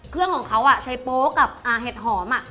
เครื่องของเขาใช้โป๊กกับเห็ดหอม